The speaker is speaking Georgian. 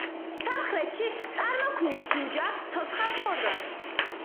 სამხრეთში წარმოქმნის ჯუჯა ცოცხალ ფორმას.